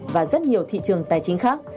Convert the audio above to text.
và rất nhiều thị trường tài chính khác